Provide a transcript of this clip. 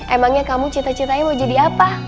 emangnya kamu cita citanya mau jadi apa